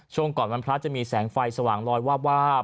ช่วงก่อนวันพระจะมีแสงไฟสว่างลอยวาบวาบ